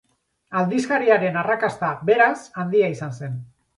Aldizkariaren arrakasta, beraz, handia izan zen.